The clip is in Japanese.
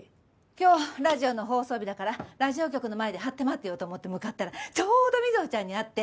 今日ラジオの放送日だからラジオ局の前で張って待ってようと思って向かったらちょうど瑞穂ちゃんに会って。